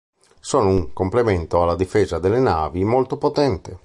Sono un complemento alla difesa delle navi molto potente.